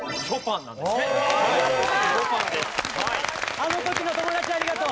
あの時の友達ありがとう！